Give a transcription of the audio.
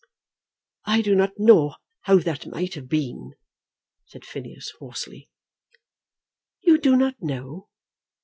"I do not know how that might have been," said Phineas, hoarsely. "You do not know!